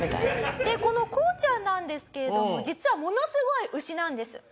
でこのこうちゃんなんですけれども実はものすごい牛なんです。